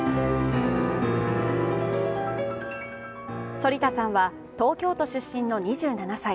反田さんは東京都出身の２７歳。